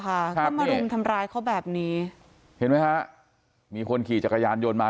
ก็มารุมทำร้ายเขาแบบนี้เห็นไหมฮะมีคนขี่จักรยานยนต์มา